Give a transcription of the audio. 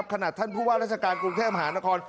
ขนาดท่านผู้พูดว่าราชการกรุงเทพหานคร